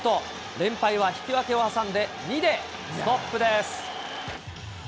連敗は引き分けを挟んで２でストップです。